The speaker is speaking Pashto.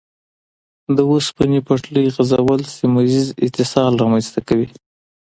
د اوسپنې پټلۍ غځول سیمه ییز اتصال رامنځته کوي.